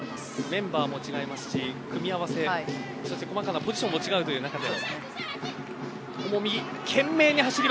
メンバーも違いますし組み合わせ、細かなポジションも違うという中で。